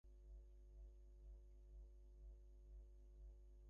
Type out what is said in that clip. নীলকেশ, নীলকান্ত অঙ্গ-আভা, নীল পট্টবাস পরিধান।